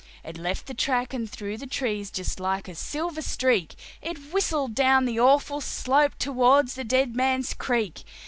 It left the track, and through the trees, just like a silver streak, It whistled down the awful slope towards the Dead Man's Creek.